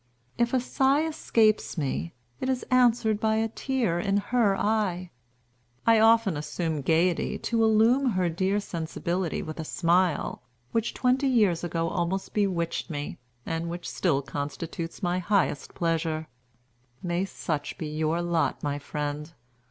If a sigh escapes me, it is answered by a tear in her eye. I often assume gayety to illume her dear sensibility with a smile, which twenty years ago almost bewitched me, and which still constitutes my highest pleasure. May such be your lot, my friend.